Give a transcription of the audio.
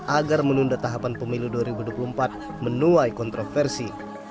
agar menunda tahapan pemilu dua ribu dua puluh empat menuai kontroversi